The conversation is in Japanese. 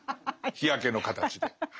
日焼けの形で。